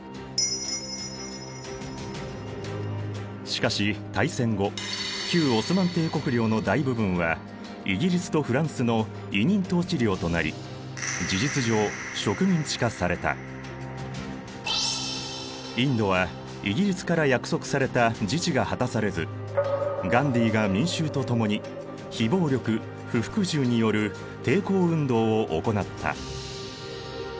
しかし大戦後旧オスマン帝国領の大部分はイギリスとフランスの委任統治領となりインドはイギリスから約束された自治が果たされずガンディーが民衆と共に非暴力・不服従による抵抗運動を行った。